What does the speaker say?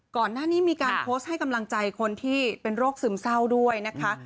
ก่อนหน้านี้มีการโพสต์ให้กำลังใจคนที่เป็นโรคซึมเศร้าด้วยนะคะ